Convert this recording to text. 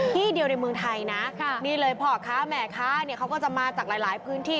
ที่เดียวในเมืองไทยนะนี่เลยพ่อค้าแม่ค้าเนี่ยเขาก็จะมาจากหลายพื้นที่